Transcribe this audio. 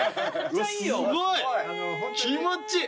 すごい気持ちいい！